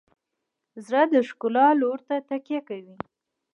زړه د ښکلا لور ته تکیه کوي.